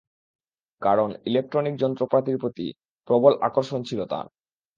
কারণ ইলেকট্রনিক যন্ত্রপাতির প্রতি প্রবল আকর্ষণ ছিল তাঁর।